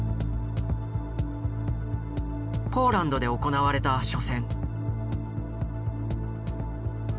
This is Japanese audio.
ポーランドで行われた初戦。